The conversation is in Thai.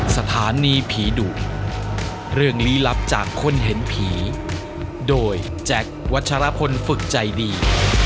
สถานีผีดุเรื่องลี้ลับจากคนเห็นผีโดยแจ็ควัชรพลฝึกใจดี